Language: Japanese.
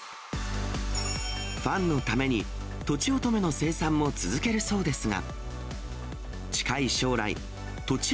ファンのために、とちおとめの生産も続けるそうですが。